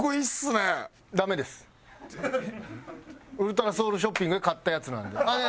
ウルトラソウルショッピングで買ったやつなんで。